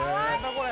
これ。